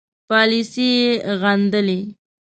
پالیسي یې غندلې.